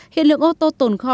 hiện lượng ô tô tồn kho